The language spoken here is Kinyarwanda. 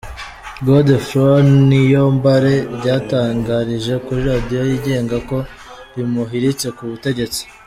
Godefroid Niyombare ryatangarije kuri radiyo yigenga ko rimuhiritse ku butegetsi.